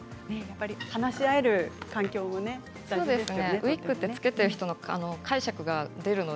話し合える環境も大事ですね。